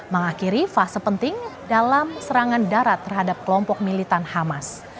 mengakhiri fase penting dalam serangan darat terhadap kelompok militan hamas